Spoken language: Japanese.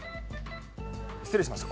失礼しました。